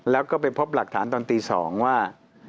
แล้วก็ไปพบหลักฐานตอนตี๒ว่า